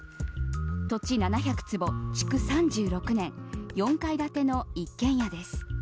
土地７００坪、築３６年４階建ての一軒家です。